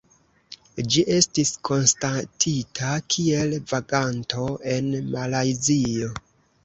Ĝi estis konstatita kiel vaganto en Malajzio.